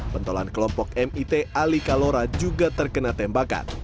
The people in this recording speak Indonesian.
pentolan kelompok mit ali kalora juga terkena tembakan